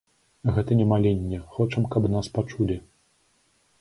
Гэта не маленне, хочам, каб нас пачулі.